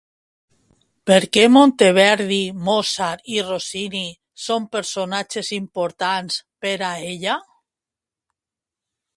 Per què Monteverdi, Mozart i Rossini són personatges importants per a ella?